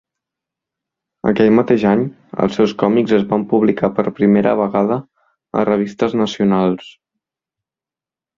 Aquell mateix any, els seus còmics es van publicar per primera vegada a revistes nacionals.